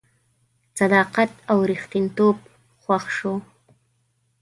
صداقت او ریښتینتوب خوښ شو.